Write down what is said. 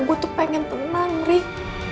gue tuh pengen tenang nih